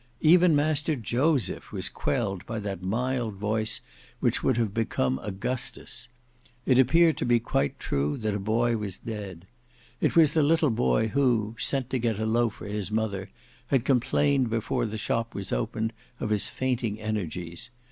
Even Master Joseph was quelled by that mild voice which would have become Augustus. It appeared to be quite true that a boy was dead. It was the little boy who, sent to get a loaf for his mother, had complained before the shop was opened of his fainting energies.